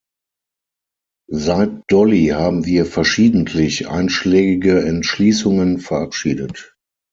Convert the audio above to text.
Seit Dolly haben wir verschiedentlich einschlägige Entschließungen verabschiedet.